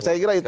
saya kira itu